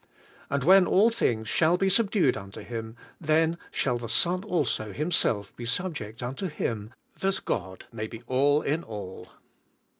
And when all things shall be subdued unto him, then shall th^ Sojv also Himself be subject unto Him, that God may be all in all.